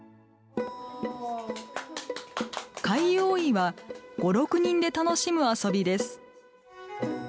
貝覆いは５、６人で楽しむ遊びです。